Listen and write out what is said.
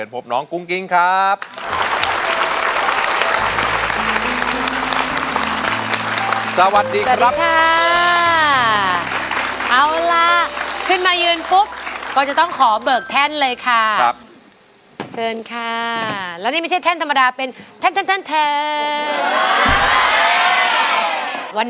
โปรดไทยเล็กทุกรัก